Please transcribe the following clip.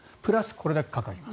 これだけかかります。